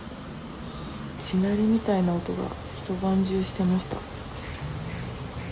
地鳴りみたいな音が一晩中してました。